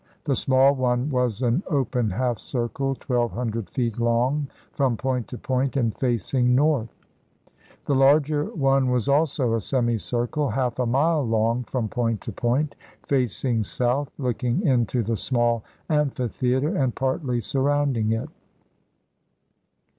The small one was an open half circle twelve hundred feet long from point to point, and facing north. The larger one was also a semicircle, half a mile long from point to point, facing south, looking into the small amphitheater, and partly surrounding it.